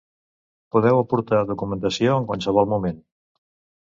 Podeu aportar documentació en qualsevol moment.